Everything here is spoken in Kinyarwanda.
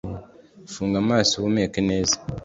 Funga amaso uhumeka neza.